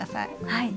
はい。